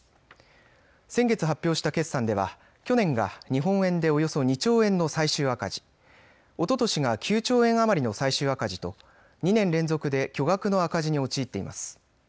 先月発表した決算では去年が日本円でおよそ２兆円の最終赤字、おととしが９兆円余りの最終赤字と２年連続で巨額の赤字に陥っています。